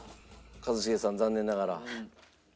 一茂さん残念ながら。